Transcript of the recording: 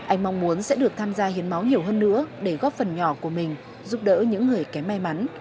anh mong muốn sẽ được tham gia hiến máu nhiều hơn nữa để góp phần nhỏ của mình giúp đỡ những người kém may mắn